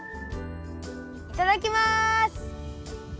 いただきます！